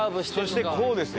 そしてこうですよ。